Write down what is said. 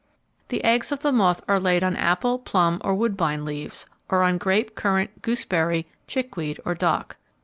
The eggs of the moth are laid on apple, plum, or woodbine leaves, or on grape, currant, gooseberry, chickweed or dock.